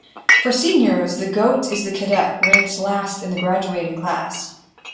For seniors, the "goat" is the cadet ranked last in the graduating class.